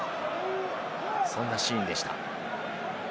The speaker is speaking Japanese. そんなシーンでした。